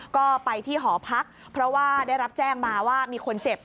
ก็ไปที่หอพักเพราะว่าได้รับแจ้งมาว่ามีคนเจ็บ